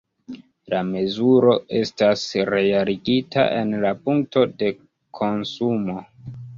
La mezuro estas realigita en la punkto de konsumo.